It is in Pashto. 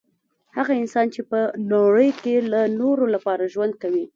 هغه انسان چي په نړۍ کي د نورو لپاره ژوند کوي